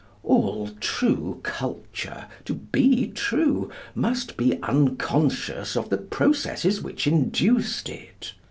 All true culture, to be true, must be unconscious of the processes which induced it.